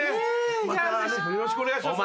またよろしくお願いします